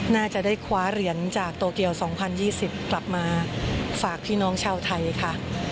น่าจะได้คว้าเหรียญจากโตเกียว๒๐๒๐กลับมาฝากพี่น้องชาวไทยค่ะ